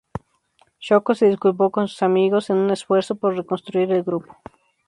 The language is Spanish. Shoko se disculpó con sus amigos en un esfuerzo por reconstruir el grupo.